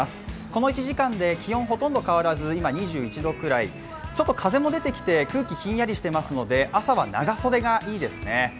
この１時間で気温ほとんど変わらず今２１度くらい、ちょっと風も出てきて空気ひんやりしていますので朝は長袖がいいですね。